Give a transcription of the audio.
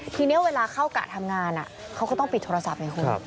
ทีนี้เวลาเข้ากะทำงานเขาก็ต้องปิดโทรศัพท์ไงคุณ